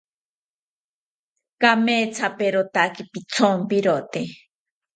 Kamethaperotaki pithonpirote